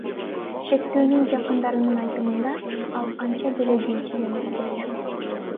Шектүүнүн жакындарынын айтымында, ал анча деле динчил эмес болчу.